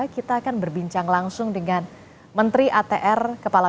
kita akan berbincang langsung dengan menteri atr kepala bpn agus harimurti yudhoyono